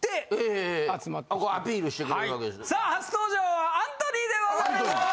さあ初登場はアントニーでございます！